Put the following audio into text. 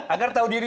agar tahu diri